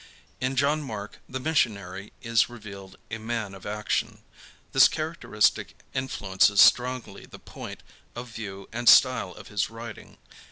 In John Mark the missionary is revealed a man of action. This characteristic influences strongly the point of view and style of his writing.